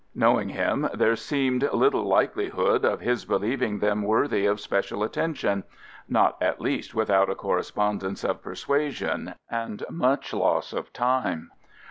Knowing him, there seemed little iv PREFACE likelihood of his believing them worthy of special attention; not at least without a correspondence of persuasion, and much loss of time.